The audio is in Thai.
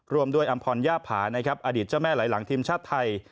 รวมด้วยอำพรย่าผานะครับอดีตเจ้าแม่ไหลหลังทีมชาติไทย